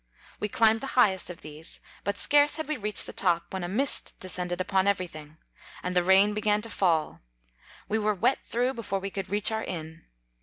We climbed the highest of these, but scarce had we reached the top, when a mist descended upon every thing, and the rain began to fall : we were wet through before we could reach our inn.